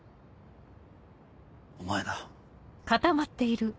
お前だ。